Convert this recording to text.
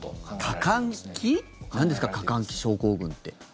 過換気？なんですか、過換気症候群って。